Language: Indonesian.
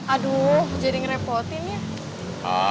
aduh jadi ngerepotin ya